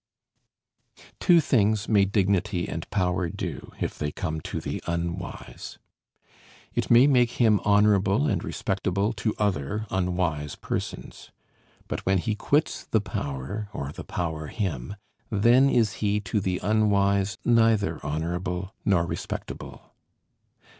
Two things may dignity and power do, if they come to the unwise. It may make him honorable and respectable to other unwise persons. But when he quits the power, or the power him, then is he to the unwise neither honorable nor respectable.